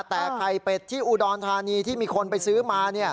แต่ไข่เป็ดที่อุดรธานีที่มีคนไปซื้อมา